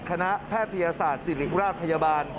แพทยศาสตร์ศิริราชพยาบาล